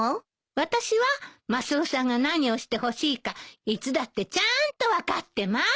私はマスオさんが何をしてほしいかいつだってちゃんと分かってます。